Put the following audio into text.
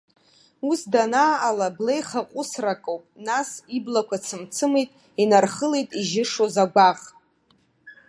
Ус данааҟала, блеихаҟәысракоуп, нас, иблақәа цымцымит, инархылеит ижьышоз агәаӷ.